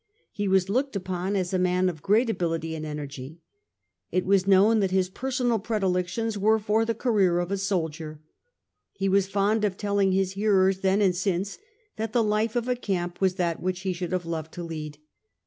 He was looked upon as a man of great ability and energy. It was known that bis personal predilections were for the career of a soldier. He was fond of telling his hearers then and since that the life of a camp was that which he should have loved to lead.